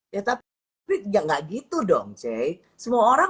ya tapi ya nggak gitu dong c semua orang